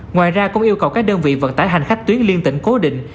ngoài ra cũng yêu cầu các đơn vị vận tải hành khách tuyến liên tỉnh cố định